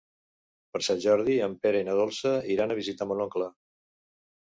Per Sant Jordi en Pere i na Dolça iran a visitar mon oncle.